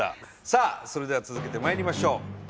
さあそれでは続けてまいりましょう！